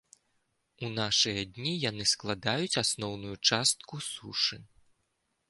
У нашы дні яны складаюць асноўную частку сушы.